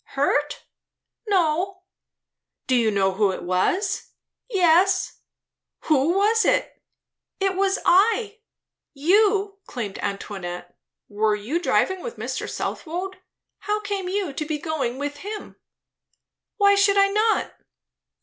"Hurt?" "No." "Do you know who it was?" "Yes." "Who was it?" "It was I." "You?" exclaimed Antoinette. "Were you driving with Mr. Southwode? How came you to be going with him?" "Why should I not?"